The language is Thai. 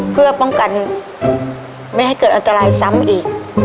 เพื่อป้องกันไม่ให้เกิดอันตรายซ้ำอีก